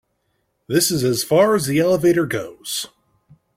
This is as far as the elevator goes.